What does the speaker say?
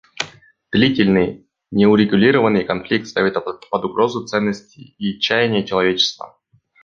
Длительный, неурегулированный конфликт ставит под угрозу ценности и чаяния человечества.